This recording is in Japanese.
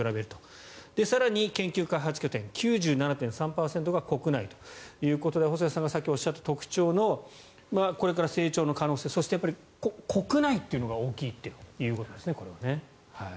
更に研究開発拠点９７．３％が国内ということで細谷さんが先ほどおっしゃった特徴のこれから成長の可能性そして、国内というのが大きいということですね。